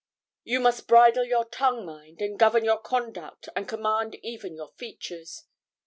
'You must bridle your tongue, mind, and govern your conduct, and command even your features.